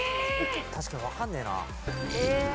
確かにわかんねえな。